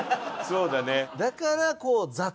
そうだね。